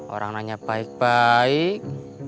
orang nanya baik baik